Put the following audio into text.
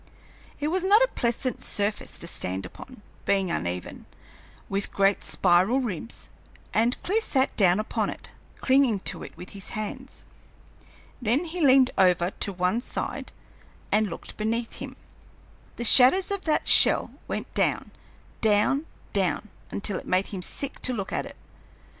It was not a pleasant surface to stand upon, being uneven, with great spiral ribs, and Clewe sat down upon it, clinging to it with his hands. Then he leaned over to one side and looked beneath him. The shadows of that shell went down, down, down, until it made him sick to look at it.